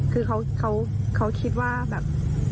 คือเขาคิดว่าแบบ